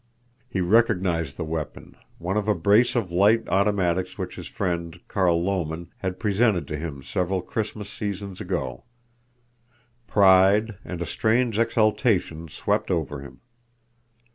He recognized the weapon—one of a brace of light automatics which his friend, Carl Lomen, had presented to him several Christmas seasons ago. Pride and a strange exultation swept over him.